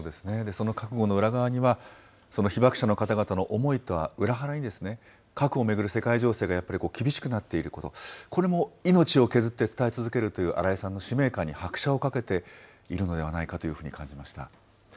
その覚悟の裏側には、被爆者の方々の思いとは裏腹に、核を巡る世界情勢がやっぱり厳しくなっていること、これも命を削って伝え続けるという新井さんの使命感に拍車をかけているのではないかというふうに感じました。